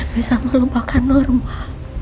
bisa melupakan norma